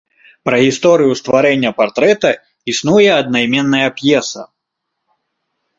Пра гісторыю стварэння партрэта існуе аднайменная п'еса.